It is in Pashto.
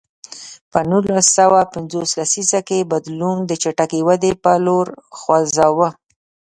په نولس سوه پنځوس لسیزه کې بدلون د چټکې ودې په لور خوځاوه.